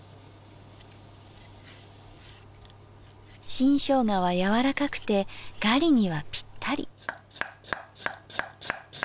新生姜は柔らかくてガリにはぴったり。